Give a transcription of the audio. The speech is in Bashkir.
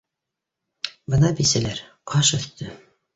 Бына, бисәләр, аш өҫтө